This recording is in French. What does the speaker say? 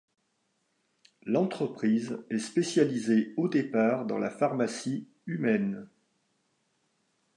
L'entreprise est spécialisée au départ dans la pharmacie humaine.